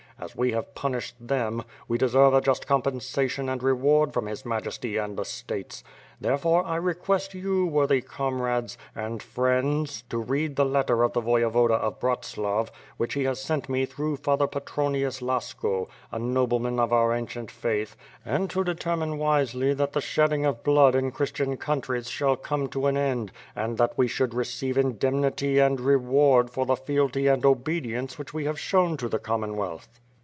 As we have punished them, we deserve a just compensation and reward from his Majesty and the States. Therefore 1 request you, worthy comrades, and friends, to read the letter of the Voyevoda of Bratslav, which he has sent me through Father Patronius Lasko, a nobleman of our ancient faith, and to determine wisely that the shedding of blood in Christian countries shall come to an end, and that we should receive indemnity and reward for the fealty and obedience which we have shown to the Commonwealth.